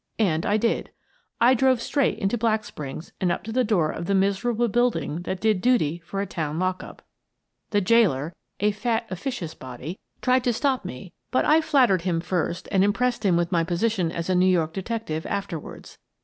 And I did. I drove straight into Black Springs and up to the door of the miserable building that did duty for a town lockup. The jailer — a fat, officious body — tried to stop 156 In the Jail 157 me, but I flattered him first and impressed him with my position as a New York detective afterwards.